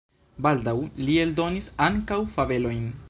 Baldaŭ li eldonis ankaŭ fabelojn.